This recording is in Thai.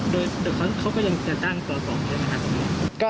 เดี๋ยวเขาก็ยังจะตั้งต่อส่องเลยนะครับ